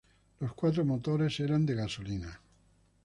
Los cuatro motores eran de gasolina.